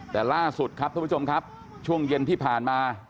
แต่ล่าสุดครับท่านผู้ชมครับช่วงเย็นที่ผ่านมา